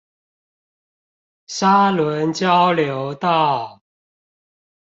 沙崙交流道